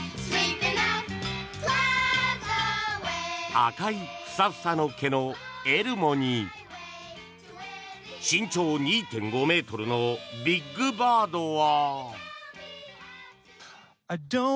赤いふさふさの毛のエルモに身長２．５ｍのビッグバードは。